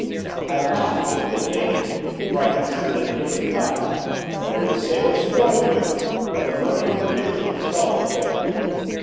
I laughed at this divination, for I considered it empty flattery, although the sailors swore to it, that the mermaids' prediction seldom failed.